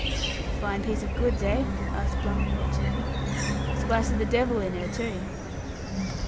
"She's a fine piece of goods, eh?" asked Blunt, watching her. "A spice o' the devil in her, too."